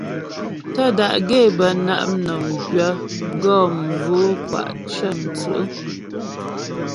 Tə́ da'gaə́ é bə na' mnɔm gwyə̌ gɔ mvo'o kwa' cə̀mwtsǔ'.